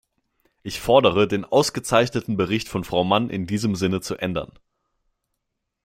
Ich fordere, den ausgezeichneten Bericht von Frau Mann in diesem Sinne zu ändern.